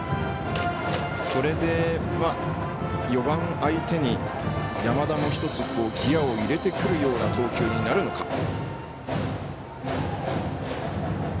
４番相手に山田も１つギヤを入れてくるような投球になるのか。